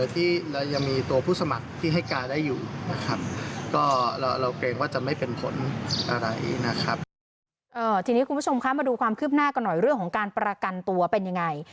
ทีนี้คุณผู้ชมคะมาดูความคืบหน้ากันหน่อยเรื่องของการประกันตัวเป็นยังไง